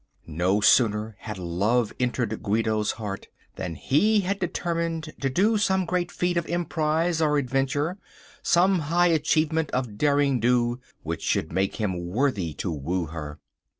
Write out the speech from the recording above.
No sooner had love entered Guido's heart than he had determined to do some great feat of emprise or adventure, some high achievement of deringdo which should make him worthy to woo her.